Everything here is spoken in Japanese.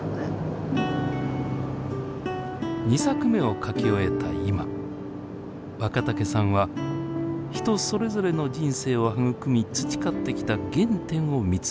２作目を書き終えた今若竹さんは人それぞれの人生を育み培ってきた原点を見つめようと考えています。